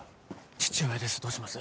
父親ですどうします？